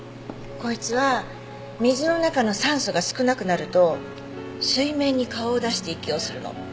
こいつは水の中の酸素が少なくなると水面に顔を出して息をするの。